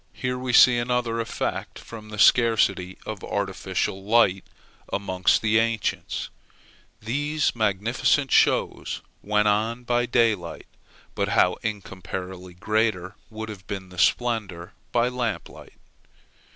Here we see another effect from the scarcity of artificial light amongst the ancients. These magnificent shows went on by daylight. But how incomparably greater would have been the splendor by lamp light!